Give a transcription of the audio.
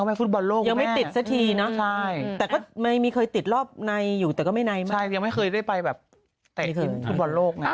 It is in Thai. แต่ก็ไม่ไนมากยังไม่เคยได้ไปแบบเตะอินทุนบรรโลกน่ะ